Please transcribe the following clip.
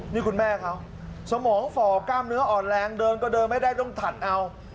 นี่คุณแม่เขาสมองฝ่อกล้ามเนื้ออ่อนแรงเดินก็เดินไม่ได้ต้องถัดเอา